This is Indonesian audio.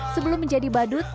sebelum menjadi badut